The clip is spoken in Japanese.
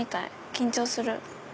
緊張する！